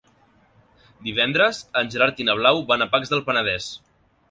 Divendres en Gerard i na Blau van a Pacs del Penedès.